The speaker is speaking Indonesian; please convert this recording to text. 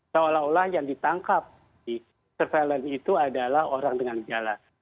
seolah olah yang ditangkap di surveillance itu adalah orang dengan gejala